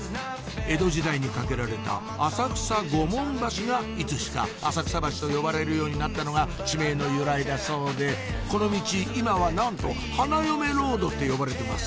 江戸時代にかけられた浅草御門橋がいつしか浅草橋と呼ばれるようになったのが地名の由来だそうでこのミチ今はなんと花嫁ロードって呼ばれてます